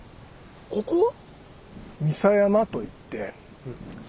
ここは？